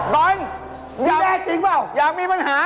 บอนพี่แรกจริงเปล่าอยากมีปัญหา